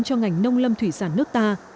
cho ngành nông lâm thủy sản nước ta